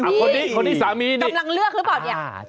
อ่าคนนี้คนนี้สามีนี่อ่าใช่ใช่ค่ะกำลังเลือกหรือเปล่าเนี่ย